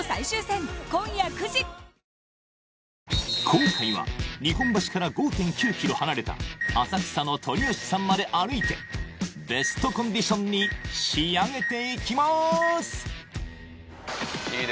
今回は日本橋から５．９ｋｍ離れた浅草の鶏よしさんまで歩いてベストコンディションに仕上げていきまー